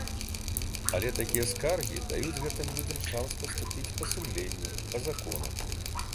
Але такія скаргі даюць гэтым людзям шанс паступіць па сумленню, па закону.